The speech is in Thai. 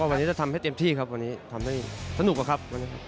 วันนี้จะทำให้เตรียมที่ครับวันนี้ทำให้สนุกครับ